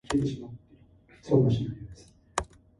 These centres will be run commercially.